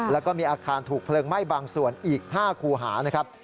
แล้วก็มีอาคารถูกเพลิงไหม้บางส่วนอีก๕คูหานะครับ